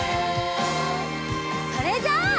それじゃあ。